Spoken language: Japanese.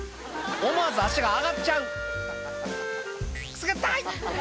思わず足が上がっちゃう「くすぐったい！」